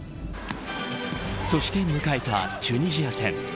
そして、迎えたチュニジア戦。